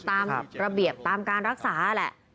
ตามระเบียบตามการรักษาแหละ